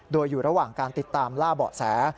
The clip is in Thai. โดยอยู่ระหว่างการติดตามล่าเบาะแส